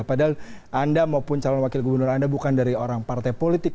padahal anda maupun calon wakil gubernur anda bukan dari orang partai politik